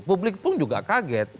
publik pun juga kaget